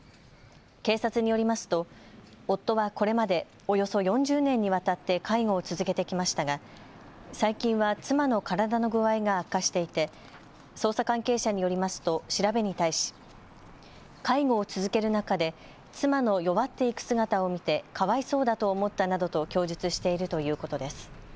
警察によりますと夫はこれまでおよそ４０年にわたって介護を続けてきましたが最近は妻の体の具合が悪化していて捜査関係者によりますと調べに対し介護を続ける中で妻の弱っていく姿を見てかわいそうだと思ったなどと供述しているということです。